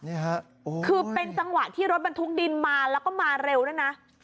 นี่ค่ะคือเป็นจังหวะที่รถบรรทุกดินมาแล้วก็มาเร็วด้วยนะ